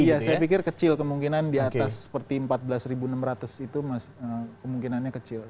iya saya pikir kecil kemungkinan di atas seperti empat belas enam ratus itu mas kemungkinannya kecil